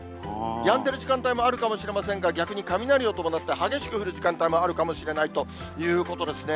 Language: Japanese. やんでる時間帯もあるかもしれませんが、逆に雷を伴って、激しく降る時間帯もあるかもしれないということですね。